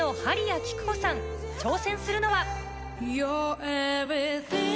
挑戦するのは。